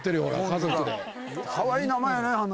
かわいい名前やね花筏。